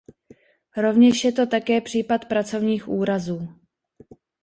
Rovněž je to také případ pracovních úrazů.